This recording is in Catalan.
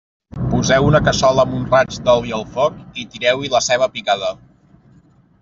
Poseu una cassola amb un raig d'oli al foc i tireu-hi la ceba picada.